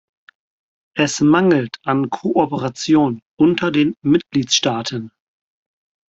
Es mangelt an Kooperation unter den Mitgliedstaaten.